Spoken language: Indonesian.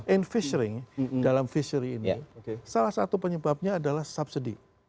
infishing dalam fishery ini salah satu penyebabnya adalah subsidi